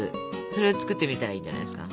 それを作ってみたらいいんじゃないですか？